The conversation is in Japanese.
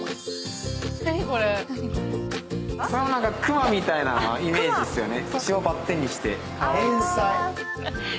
これはくまみたいなのイメージっすよね。